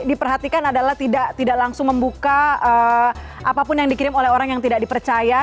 diperhatikan adalah tidak langsung membuka apapun yang dikirim oleh orang yang tidak dipercaya